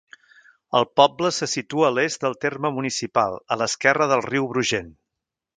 El poble se situa a l'est del terme municipal a l'esquerra del riu Brugent.